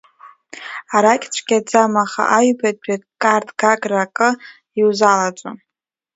Арагь цәгьаӡам, аха аҩбатәи Қарҭ-Гагра акы иузалаҵом.